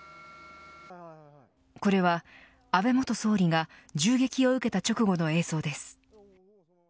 これは、安倍元総理が銃撃を受けた直後の映像です。